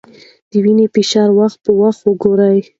د وینې فشار وخت په وخت وګورئ.